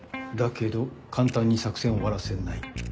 だけど簡単に作戦を終わらせない。